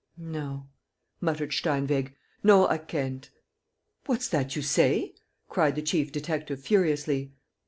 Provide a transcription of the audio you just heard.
... "No," muttered Steinweg, "no, I can't. ..." "What's that you say?" cried the chief detective, furiously.